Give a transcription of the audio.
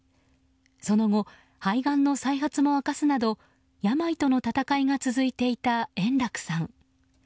その後肺がんの再発も明かすなど病との戦いが続いていた円楽さん。